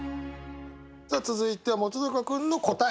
さあ続いては本君の答え。